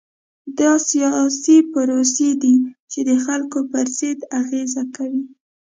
دا سیاسي پروسې دي چې د خلکو پر ژوند اغېز کوي.